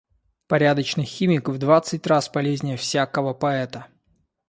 Порядочный химик в двадцать раз полезнее всякого поэта.